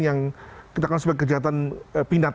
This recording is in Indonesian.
yang kita kenal sebagai kejahatan pinat